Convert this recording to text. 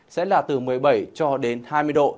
sẽ là từ một mươi bảy cho đến hai mươi độ